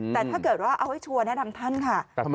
แต่ถ้าเกิดว่าเอาให้ชัวร์แนะนำท่านค่ะ